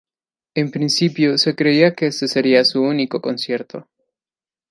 En principio se creía que este sería su único concierto.